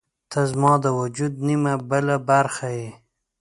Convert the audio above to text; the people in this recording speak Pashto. • ته زما د وجود نیمه بله برخه یې.